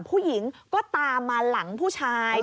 ผู้หญิงก็ตามมาหลังผู้ชาย